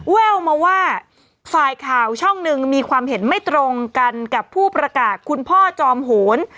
แววมาว่าฝ่ายข่าวช่องหนึ่งมีความเห็นไม่ตรงกันกับผู้ประกาศคุณพ่อจอมโหน